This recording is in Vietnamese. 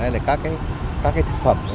hay là các cái thực phẩm